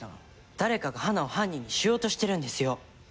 誰かが花を犯人にしようとしてるんですよ。